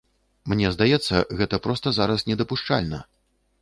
Мне здаецца, гэта проста зараз недапушчальна!